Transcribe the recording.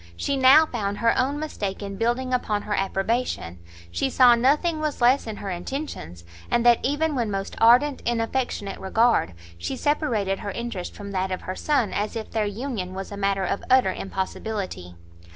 She now found her own mistake in building upon her approbation; she saw nothing was less in her intentions, and that even when most ardent in affectionate regard, she separated her interest from that of her son as if their union was a matter of utter impossibility.